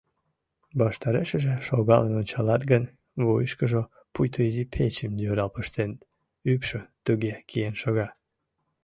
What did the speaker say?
Ваштарешыже шогалын ончалат гын, вуйышкыжо пуйто изи печым йӧрал пыштеныт, ӱпшӧ туге киен шога.